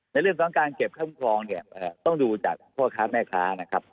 ในเรื่องทางการเก็บค่าคุ้มครองต้องดูจากพ่อครับแม่ค้านะครับ